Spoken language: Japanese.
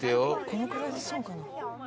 このくらいで済むかな？